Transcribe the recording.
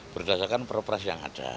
berdasarkan properas yang ada